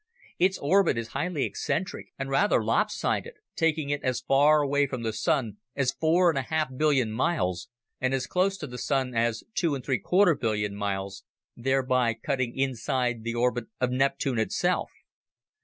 Its orbit is highly eccentric and rather lopsided, taking it as far away from the Sun as four and a half billion miles and as close to the Sun as two and three quarter billion miles, thereby cutting inside the orbit of Neptune itself.